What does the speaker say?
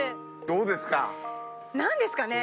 どうですか？